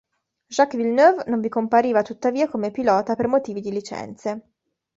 Jacques Villeneuve non vi compariva tuttavia come pilota per motivi di licenze.